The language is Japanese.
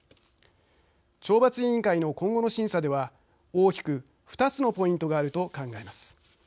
懲罰委員会の今後の審査では大きく２つのポイントがあると考えます。